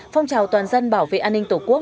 phong trào toàn dân bảo vệ an ninh tổ quốc